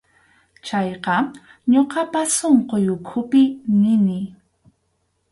Chayqa ñuqapas sunquy ukhupi nini.